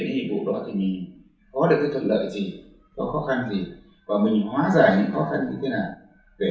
với mỗi một con người thuận lợi và khó khăn nó cũng khác nhau